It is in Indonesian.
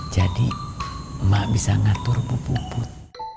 jadi mak bisa ngatur bu puput